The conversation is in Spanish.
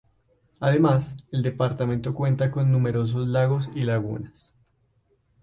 Además, el departamento cuenta con numerosos lagos y lagunas.